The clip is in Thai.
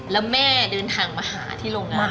แล้วแม่เดินทางมาหาที่โรงงาน